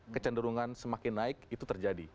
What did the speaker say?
kecenderungan semakin naik itu terjadi